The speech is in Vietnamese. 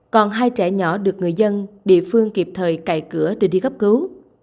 còn hai trẻ nhỏ được người dân địa phương kịp thời cày cửa để đi gấp cứu